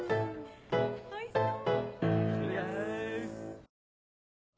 おいしそう！